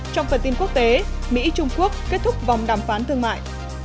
trong phần tin quốc tế mỹ trung quốc kết thúc vòng đàm phán thương mại